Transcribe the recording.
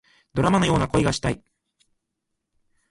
ドラマのような恋がしたい